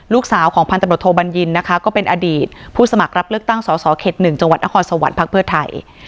ลูกสาวของพันตำรวจโทบัญญินนะคะก็เป็นอดีตผู้สมัครรับเลือกตั้งสอสอเขต๑จังหวัดนครสวรรค์พักเพื่อไทย